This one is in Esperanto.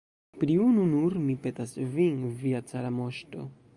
Pri unu nur mi petas vin, via cara moŝto!